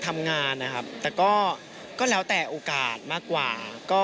ทำงานนะครับแต่ก็แล้วแต่โอกาสมากกว่า